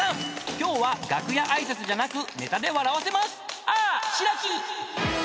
今日は楽屋挨拶じゃなくネタで笑わせます］